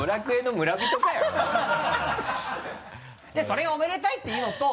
それがおめでたいっていうのと。